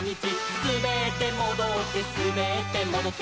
「すべってもどってすべってもどって」